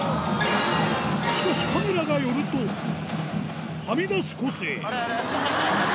しかしカメラが寄るとはみ出す個性あれ？